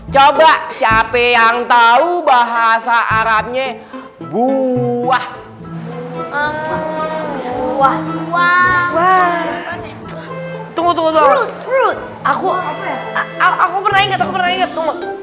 coba siapa yang tahu bahasa arabnya buah buah buah tunggu tunggu aku aku pernah ingat ingat